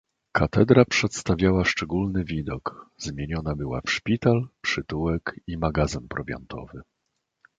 "Katedra przedstawiała szczególny widok: zmieniona była w szpital, przytułek i magazyn prowiantowy."